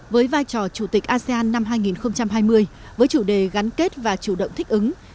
với vai trò chủ tịch asean năm hai nghìn hai mươi với chủ đề gắn kết và chủ động thích ứng